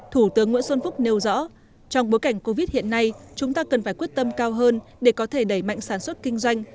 thủ tướng nguyễn xuân phúc nêu rõ trong bối cảnh covid hiện nay chúng ta cần phải quyết tâm cao hơn để có thể đẩy mạnh sản xuất kinh doanh